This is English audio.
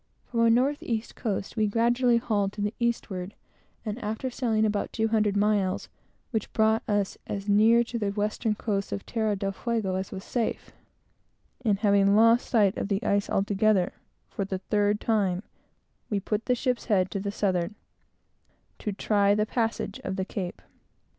From a north east course we gradually hauled to the eastward, and after sailing about two hundred miles, which brought us as near to the western coast of Terra del Fuego as was safe, and having lost sight of the ice altogether, for the third time we put the ship's head to the southward, to try the passage of the Cape.